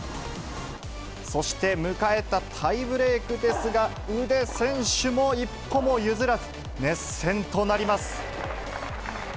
そして迎えたタイブレークですが、ウデ選手も一歩も譲らず、熱戦となります。